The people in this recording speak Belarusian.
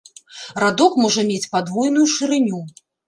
Радок можа мець падвойную шырыню.